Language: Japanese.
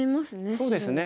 そうですね。